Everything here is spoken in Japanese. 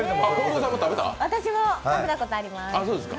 私も食べたことあります。